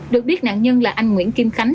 được biết nạn nhân là anh nguyễn kim khánh